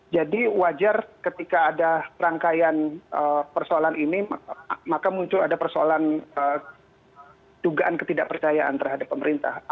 jadi wajar ketika ada rangkaian persoalan ini maka muncul ada persoalan dugaan ketidakpercayaan terhadap pemerintah